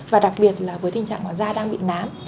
và đặc biệt là với tình trạng da đang bị nám